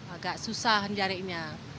agak susah menjari ini